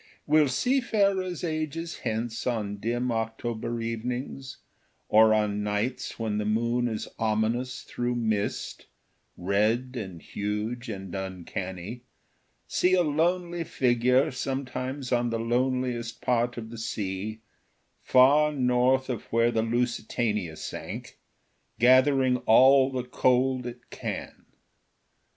Will seafarers ages hence on dim October evenings, or on nights when the moon is ominous through mist, red and huge and uncanny, see a lonely figure sometimes on the loneliest part of the sea, far north of where the Lusitania sank, gathering all the cold it can?